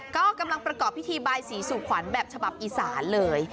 ก็กำลังประกอบพิธีบายสีสู่ขวัญแบบฉบับอีสานเลย